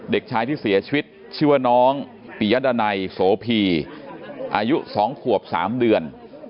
เด็กชายที่เสียชีวิตชื่อว่าน้องปิยดานัยโสพีอายุ๒ขวบ๓เดือน